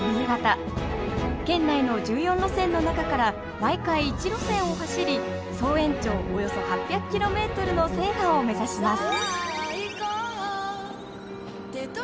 県内の１４路線の中から毎回１路線を走り総延長およそ８００ｋｍの制覇を目指します